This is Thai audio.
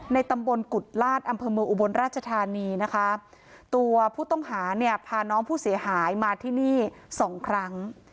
ตำบลกุฎลาศอำเภอเมืองอุบลราชธานีนะคะตัวผู้ต้องหาเนี่ยพาน้องผู้เสียหายมาที่นี่สองครั้ง